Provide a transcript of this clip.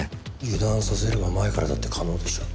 油断させれば前からだって可能でしょ？